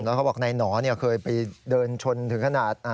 แล้วเขาบอกนายหนอเคยไปเดินชนถึงขนาด